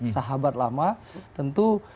sahabat lama tentu